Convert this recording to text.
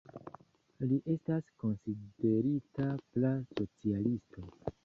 Li estis konsiderita pra-socialisto.